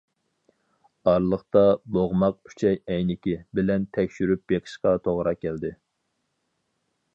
ئارىلىقتا «بوغماق ئۈچەي ئەينىكى» بىلەن تەكشۈرۈپ بېقىشقا توغرا كەلدى.